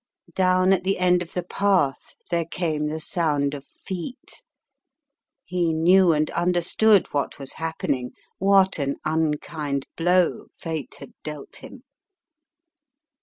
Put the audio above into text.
Down at the end of the path there came the sound of feet. He knew and understood what was happen ing, what an unkind blow Fate had dealt him.